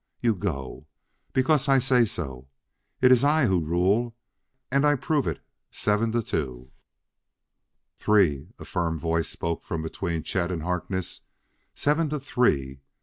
You go, because I say so. It iss I who rule, und I prove it seven to two!" "Three!" a firm voice spoke from between Chet and Harkness; "seven to three!